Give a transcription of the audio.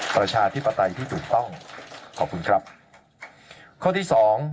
ประชาธิปไตยที่ถูกต้องขอบคุณครับข้อที่สอง